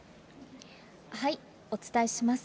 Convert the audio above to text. お伝えします。